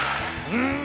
うん。